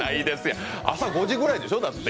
朝５時ぐらいでしょう？だって。